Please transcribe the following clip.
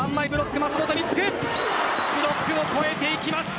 ブロックを越えていきます。